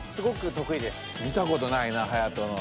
見たことないなはやとの。